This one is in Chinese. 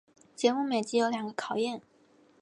节目每集有两个考验。